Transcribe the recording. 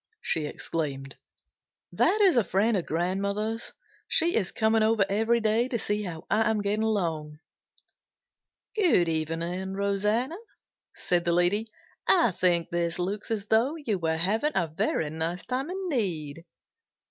she exclaimed. "That is a friend of grandmother's. She is coming over every day to see how I am getting along." "Good evening, Rosanna," said the lady. "I think this looks as though you were having a very nice time indeed."